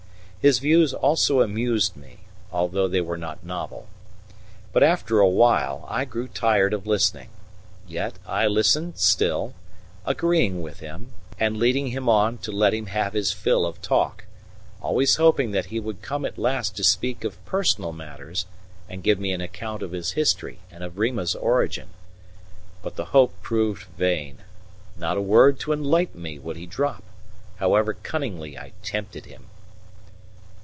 His views also amused me, although they were not novel. But after a while I grew tired of listening, yet I listened still, agreeing with him, and leading him on to let him have his fill of talk, always hoping that he would come at last to speak of personal matters and give me an account of his history and of Rima's origin. But the hope proved vain; not a word to enlighten me would he drop, however cunningly I tempted him.